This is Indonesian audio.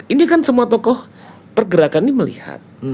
ini kan semua tokoh pergerakan ini melihat